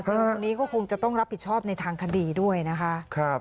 ซึ่งตรงนี้ก็คงจะต้องรับผิดชอบในทางคดีด้วยนะคะ